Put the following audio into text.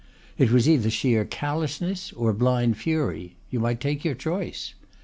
It was either sheer callousness or blind fury you might take your choice.